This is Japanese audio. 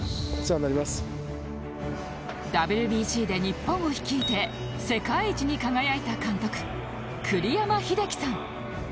ＷＢＣ で日本を率いて世界一に輝いた監督栗山英樹さん